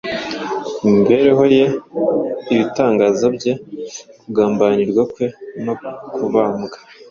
imibereho ye, ibitangaza bye, kugambanirwa kwe no kubambwa,